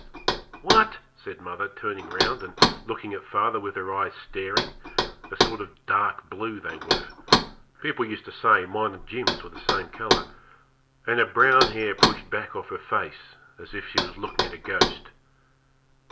'What!' said mother, turning round and looking at father with her eyes staring a sort of dark blue they were people used to say mine and Jim's were the same colour and her brown hair pushed back off her face, as if she was looking at a ghost.